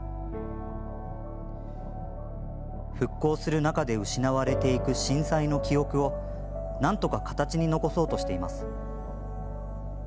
復興する中で失われていく震災の記憶をなんとか形に残そうとしています。